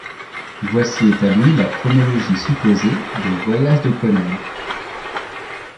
Voici établie la chronologie supposée des voyages de Conan.